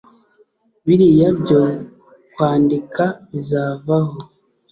Biriya byo kwandika bizavaho